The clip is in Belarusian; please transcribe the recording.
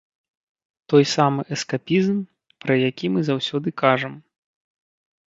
Той самы эскапізм, пра які мы заўсёды кажам.